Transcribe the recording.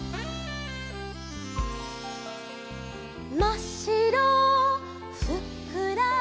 「まっしろふっくら」